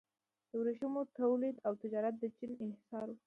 د ورېښمو تولید او تجارت د چین انحصاري و.